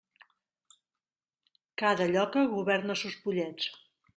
Cada lloca governa sos pollets.